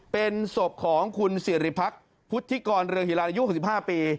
เป็นศพของคุณสิริพักษ์พุทธิกรเรืองฮิลาอายุ๖๕ปี